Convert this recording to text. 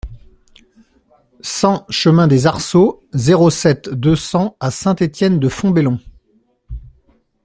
cent chemin des Arceaux, zéro sept, deux cents à Saint-Étienne-de-Fontbellon